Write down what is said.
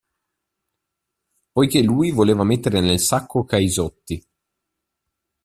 Poiché lui voleva mettere nel sacco Caisotti.